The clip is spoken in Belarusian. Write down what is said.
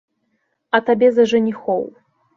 А табе за жаніхоў.